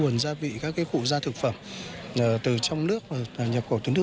คนสามารถทำแต่ค่าสถานที่